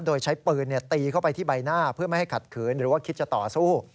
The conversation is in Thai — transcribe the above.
โดยใช้ปืนตีเข้าไปที่ใบหน้าเพื่อไม่ให้ขัดขืนหรือว่าคิดจะต่อสู้